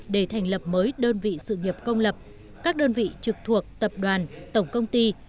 để thành lập mới đơn vị sự nghiệp công lập các đơn vị trực thuộc tập đoàn tổng công ty